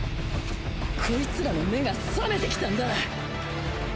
こいつらの目が覚めてきたんだ。